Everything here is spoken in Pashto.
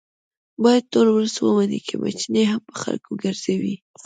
باید ټول ولس ومني که میچنې هم په خلکو ګرځوي